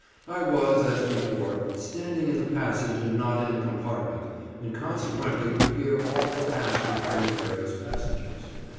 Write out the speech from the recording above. I was, as before, standing in the passage and not in a compartment, and consequently could hear all that passed between the various passengers.